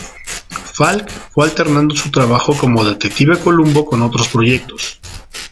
Falk fue alternando su trabajo como detective Columbo con otros proyectos.